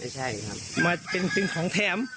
ใช่ครับมาเป็นของแถม